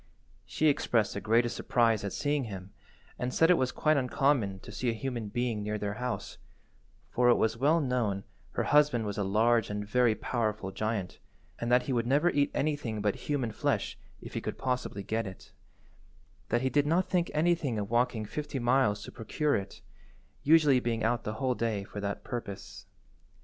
She expressed the greatest surprise at seeing him, and said it was quite uncommon to see a human being near their house, for it was well known her husband was a large and very powerful giant, and that he would never eat anything but human flesh, if he could possibly get it; that he did not think anything of walking fifty miles to procure it, usually being out the whole day for that purpose.